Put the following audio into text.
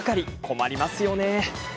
困りますよね。